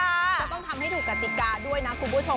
แล้วต้องทำให้ถูกกติกาด้วยนะคุณผู้ชม